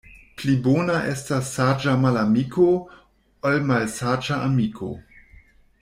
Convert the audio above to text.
Pli bona estas saĝa malamiko, ol malsaĝa amiko.